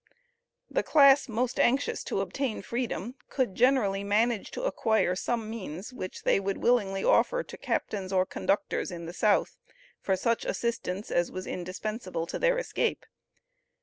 The class most anxious to obtain freedom could generally manage to acquire some means which they would willingly offer to captains or conductors in the South for such assistance as was indispensable to their escape.